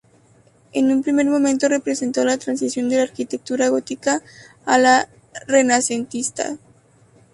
En un primer momento representó la transición de la arquitectura gótica a la renacentista.